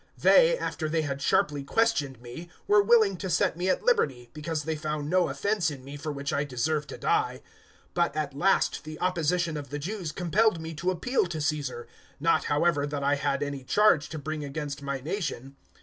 028:018 They, after they had sharply questioned me, were willing to set me at liberty, because they found no offence in me for which I deserve to die. 028:019 But, at last, the opposition of the Jews compelled me to appeal to Caesar; not however that I had any charge to bring against my nation.